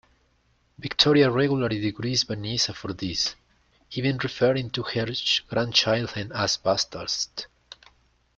Victoria regularly degrades Vanessa for this, even referring to her grandchildren as "bastards".